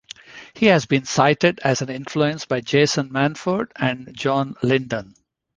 He has been cited as an influence by Jason Manford and John Lydon.